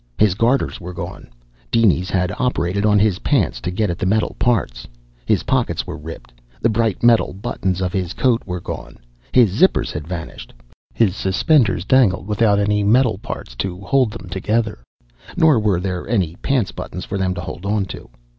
His garters were gone. Dinies had operated on his pants to get at the metal parts. His pockets were ripped. The bright metal buttons of his coat were gone. His zippers had vanished. His suspenders dangled without any metal parts to hold them together, nor were there any pants buttons for them to hold onto.